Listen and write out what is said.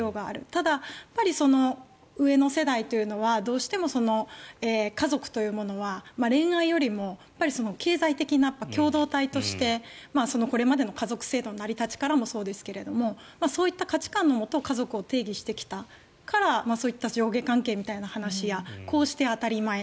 ただ、上の世代というのはどうしても家族というものは恋愛よりも経済的な共同体としてこれまでの家族制度の成り立ちからもそうですがそういった価値観のもと家族観を定義してきたからそういった上下関係みたいな話やこうして当たり前。